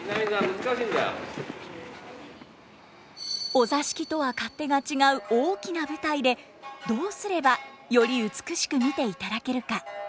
お座敷とは勝手が違う大きな舞台でどうすればより美しく見ていただけるか。